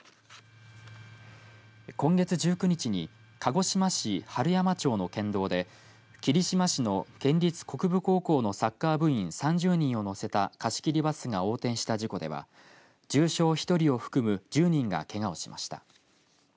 今月１９日に鹿児島市春山町の県道で霧島市の県立国分高校のサッカー部員３０人を乗せた貸し切りバスが横転した事故では重傷１人を含む１０人がけがをしました。